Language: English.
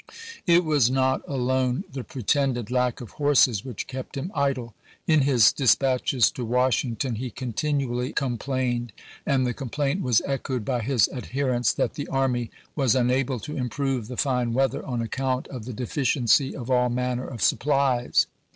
It was not alone the pretended lack of horses which kept him idle. In his dispatches to Wash ington he continually complained, and the com plaint was echoed by his adherents, that the army was unable to improve the fine weather on account of the deficiency of all manner of supplies.